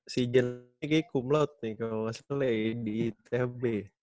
si jen kayaknya kumlaut nih kalau gak salah ya di tfb